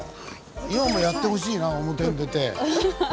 今もやってほしいな表に出て。